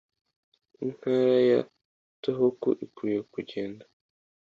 Intara ya Tohoku ikwiriye kugenda